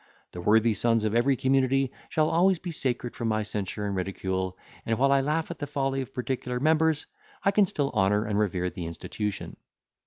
The worthy sons of every community shall always be sacred from my censure and ridicule; and, while I laugh at the folly of particular members, I can still honour and revere the institution.